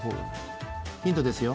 ヒントですよ。